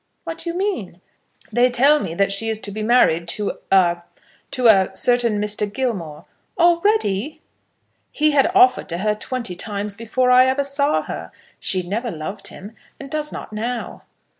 "What do you mean?" "They tell me that she is to be married to a to a certain Mr. Gilmore." "Already!" "He had offered to her twenty times before I ever saw her. She never loved him, and does not now."